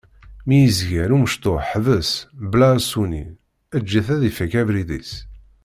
Mi yezger umecṭuḥ ḥbes, bla aṣuni, eǧǧ-it ad ifak abrid-is.